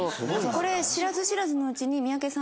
これ知らず知らずのうちに。